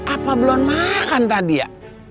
apa belum makan tadi ya